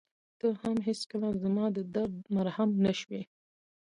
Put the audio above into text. ته هم هېڅکله زما د درد مرهم نه شوې.